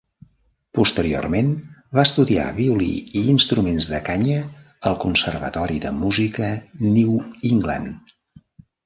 Posteriorment va estudiar violí i instruments de canya al Conservatori de Música New England.